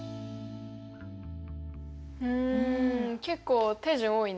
うん結構手順多いね。